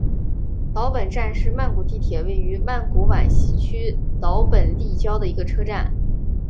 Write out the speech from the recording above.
岛本站是曼谷地铁位于曼谷挽赐区岛本立交的一个车站。